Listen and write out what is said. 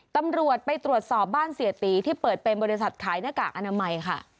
ตำรวจไปตรวจสอบบ้านเสียตีที่เปิดเป็นบริษัทขายหน้ากากอนามัยค่ะ